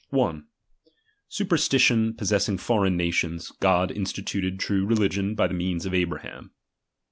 luperatition possessing foreign nations, God instituted true religion by the means of Abraham.